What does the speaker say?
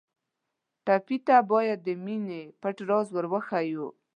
ټپي ته باید د مینې پټ راز ور وښیو.